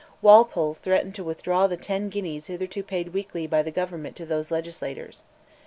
Walpole threatened to withdraw the ten guineas hitherto paid weekly by Government to those legislators.